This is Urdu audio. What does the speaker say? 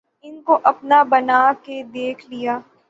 ان کو اپنا بنا کے دیکھ لیا